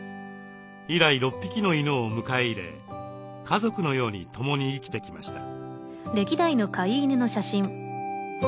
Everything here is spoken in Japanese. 以来６匹の犬を迎え入れ家族のように共に生きてきました。